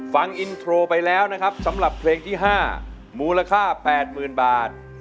ฟังอินโทรไปแล้วนะครับสำหรับเพลงที่๕มูลค่า๘๐๐๐บาท